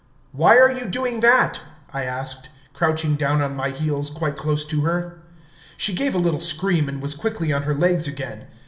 "Why are you doing that?" I asked, crouching down on my heels quite close to her. She gave a little scream and was quickly on her legs again.